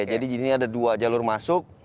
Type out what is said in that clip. jadi di sini ada dua jalur masuk